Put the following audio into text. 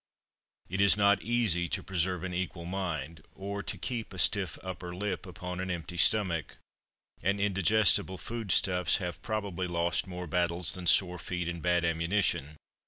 It is not easy to preserve an equal mind or keep a stiff upper lip upon an empty stomach; and indigestible food stuffs have probably lost more battles than sore feet and bad ammunition.